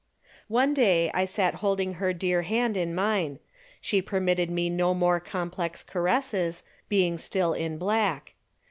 One day I sat holding her dear hand in mine. She permitted me no more complex caresses, being still in black.